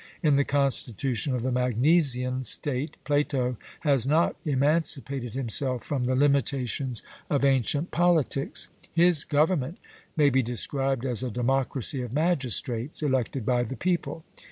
In the constitution of the Magnesian state Plato has not emancipated himself from the limitations of ancient politics. His government may be described as a democracy of magistrates elected by the people.